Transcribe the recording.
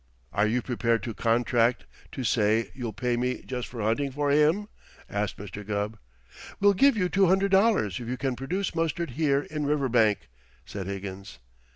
"Are you prepared to contract to say you'll pay me just for hunting for him?" asked Mr. Gubb. "We'll give you two hundred dollars if you can produce Mustard here in Riverbank," said Higgins.